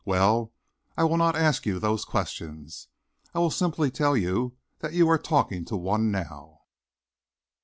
Well, I will not ask you those questions. I will simply tell you that you are talking to one now."